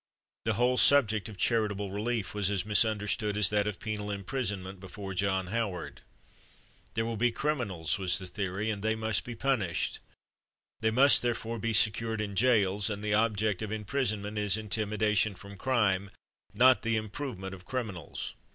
The whole subject of charitable relief was as misunderstood as that of penal imprisonment before John Howard. There will be criminals, was the theory, and they must be punished. They must therefore be secured in jails, and the object of imprisonment is intimidation from crime, not the improvement of criminals.